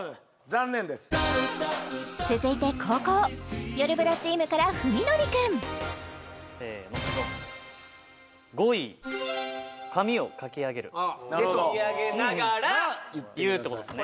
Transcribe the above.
残念です続いて後攻よるブラチームから史記くんせーのドン５位髪をかきあげるかきあげながら言うってことですね